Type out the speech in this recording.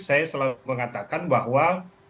saya selalu mengatakan bahwa